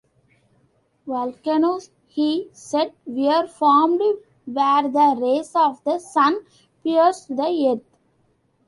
Volcanoes, he said, were formed where the rays of the sun pierced the earth.